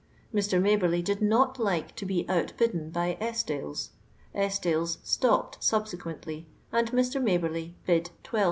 Mr. Maberly did not like to be outbidden by Esdailes; Esdailes stopped suhseqwntly, and Mr. Maberly bid \2s.